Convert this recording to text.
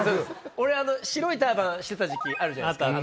俺白いターバンしてた時期あるじゃないですか。